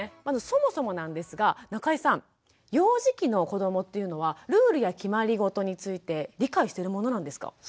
そもそもなんですが中井さん幼児期の子どもっていうのはルールや決まりごとについて理解してるものなんですか？